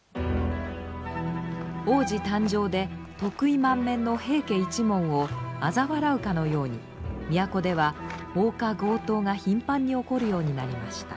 皇子誕生で得意満面の平家一門をあざ笑うかのように都では放火強盗が頻繁に起こるようになりました。